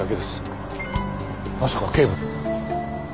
まさか警部。